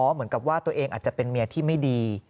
เหมือนกับว่าตัวเองอาจจะเป็นเมียที่ไม่ดี